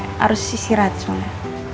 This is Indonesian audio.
harus sisirat semuanya